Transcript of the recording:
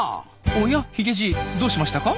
おやヒゲじいどうしましたか？